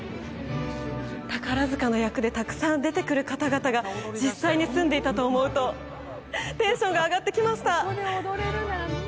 宝塚の役でたくさん出てくる方々が実際に住んでいたと思うとテンションが上がってきました！